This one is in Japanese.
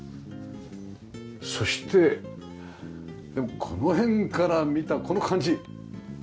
そしてこの辺から見たこの感じ！